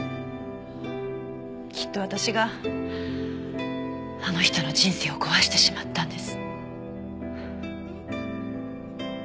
きっと私があの人の人生を壊してしまったんです。